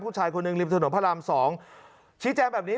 ผู้ชายคนหนึ่งริมถนนพระราม๒ชี้แจงแบบนี้